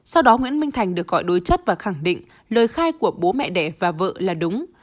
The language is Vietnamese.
sau đó nguyễn minh thành được gọi đối chất và khẳng định lời khai của bố mẹ đẻ và vợ là đúng